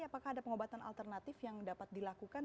apakah ada pengobatan alternatif yang dapat dilakukan